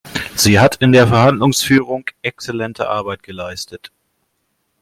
Sie hat in der Verhandlungsführung exzellente Arbeit geleistet.